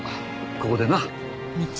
ここでな。